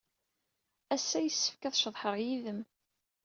Ass-a, yessefk ad ceḍḥeɣ yid-m.